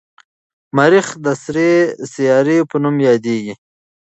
مریخ د سرې سیارې په نوم یادیږي.